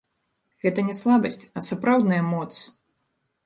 Гэта не слабасць, а сапраўдная моц!